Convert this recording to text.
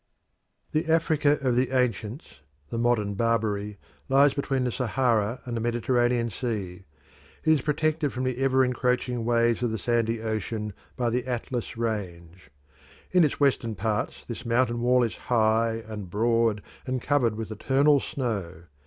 The Africa of the ancients the modern Barbary lies between the Sahara and the Mediterranean Sea. It is protected from the ever encroaching waves of the sandy ocean by the Atlas range. In its western parts this mountain wall is high and broad and covered with eternal snow.